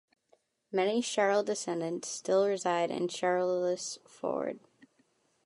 Many Sherrill descendants still reside in Sherrills Ford.